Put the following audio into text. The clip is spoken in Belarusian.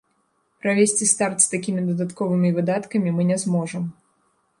Правесці старт з такімі дадатковымі выдаткамі мы не зможам.